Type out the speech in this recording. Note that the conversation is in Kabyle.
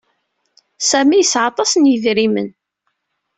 Sami yesɛa aṭas n yidrimen.